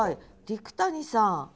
陸谷さん。